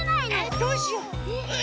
どうしよう？うっ！